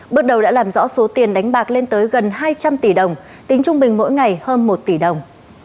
bước đầu đã làm rõ số tiền đánh bạc lên tới gần hai trăm linh tỷ đồng tính trung bình mỗi ngày hơn một tỷ đồng